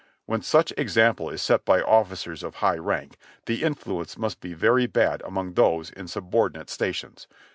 When such example is set by officers of high rank, the influence must be very bad among those in subordinate stations.